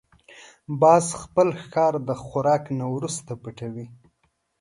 باز خپل ښکار د خوراک نه وروسته پټوي